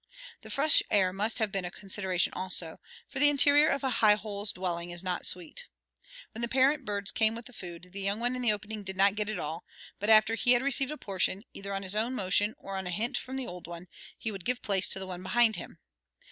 The fresh air must have been a consideration also, for the interior of a high hole's dwelling is not sweet. When the parent birds came with food the young one in the opening did not get it all, but after he had received a portion, either on his own motion or on a hint from the old one, he would give place to the one behind him.